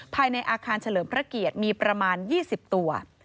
ภายในอาคารเฉลิมพระเกียรติมีประมาณ๒๐ตัว